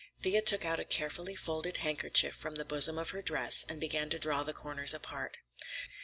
Thea took out a carefully folded handkerchief from the bosom of her dress and began to draw the corners apart.